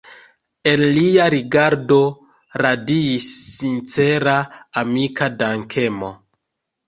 El lia rigardo radiis sincera amika dankemo.